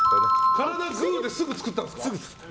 「カラダぐぅ」ですぐ作ったんですか？